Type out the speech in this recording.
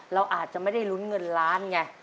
เราอาจจะไม่ได้ลุ้นเงินล้านไง